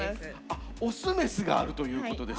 あっ雄雌があるということです。